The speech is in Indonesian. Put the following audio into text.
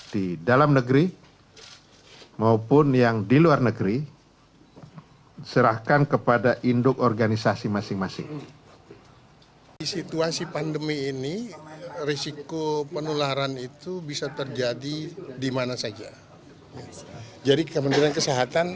kemenpora juga akan berkongsi tentang kegiatan olahraga yang sedang dan akan dilaksanakan